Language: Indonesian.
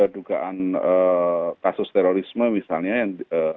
dugaan kasus terorisme misalnya yang